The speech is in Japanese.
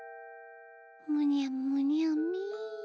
むにゃむにゃみ。